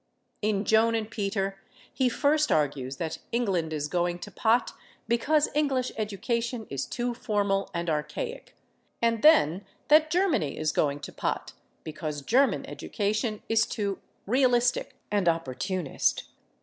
In "Joan and Peter" he first argues that England is going to pot because English education is too formal and archaic, and then that Germany is going to pot because German education is too realistic and opportunist.